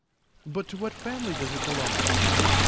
"But to what family does it belong?"